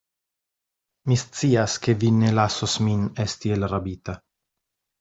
Mi scias, ke vi ne lasos min esti elrabita.